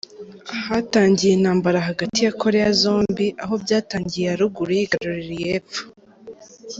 Hatangiye intambara hagati ya Korea zombie, aho byatangiye iya ruguru yigarurira iy’epfo.